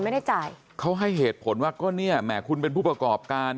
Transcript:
เขาจะให้เหตุผลว่าคุณเป็นผู้ประกอบการ